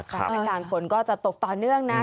สถานการณ์ฝนก็จะตกต่อเนื่องนะ